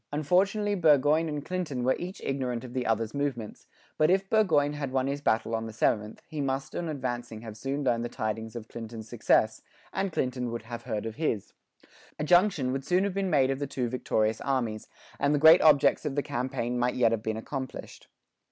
Unfortunately Burgoyne and Clinton were each ignorant of the other's movements; but if Burgoyne had won his battle on the 7th, he must on advancing have soon learned the tidings of Clinton's success, and Clinton would have heard of his. A junction would soon have been made of the two victorious armies, and the great objects of the campaign might yet have been accomplished.